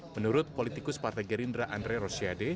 menurut politikus partai gerindra andre rosiade